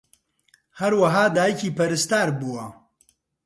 ھەروەھا دایکی پەرستار بووە